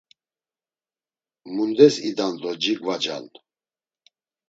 Mundes idan do cigvacan?